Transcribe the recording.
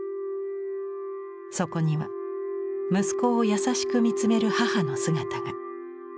そこには息子を優しく見つめる母の姿が。